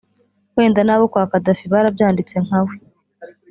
wenda nabo kwa Kadafi barabyanditse nkawe